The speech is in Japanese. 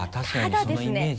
ただですね